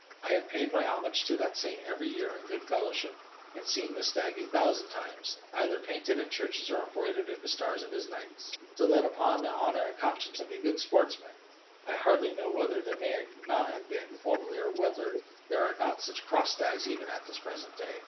I have paid my homage to that saint every year in good fellowship, and seen this stag a thousand times, either painted in churches or embroidered in the stars of his knights; so that, upon the honor and conscience of a good sportsman, I hardly know whether there may not have been formerly, or whether there are not such crossed stags even at this present day.